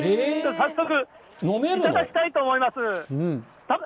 早速、頂きたいと思います。